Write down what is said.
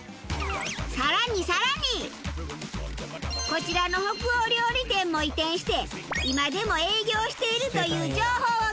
こちらの北欧料理店も移転して今でも営業しているという情報をゲット！